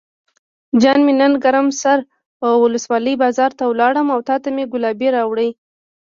جان مې نن ګرم سر ولسوالۍ بازار ته لاړم او تاته مې ګلابي راوړې.